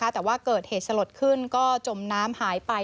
แต่ว่าเกิดเหตุสลดขึ้นก็จมน้ำหายไป